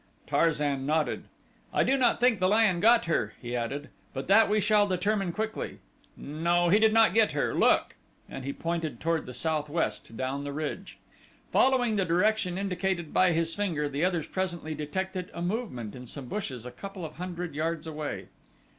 Tarzan nodded. "I do not think the lion got her," he added; "but that we shall determine quickly. No, he did not get her look!" and he pointed toward the southwest, down the ridge. Following the direction indicated by his finger, the others presently detected a movement in some bushes a couple of hundred yards away.